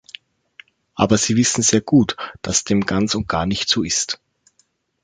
Aber Sie wissen sehr gut, dass dem ganz und gar nicht so ist.